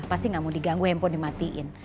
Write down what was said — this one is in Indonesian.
pasti gak mau diganggu handphone dimatiin